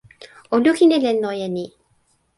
o lukin e len loje ni.